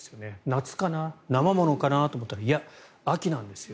夏かな、生ものかなと思ったらいや、秋なんですよ